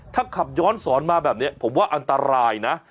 ถ้าขับย้อนสอนมาแบบนี้ผมว่าอันตรายนะ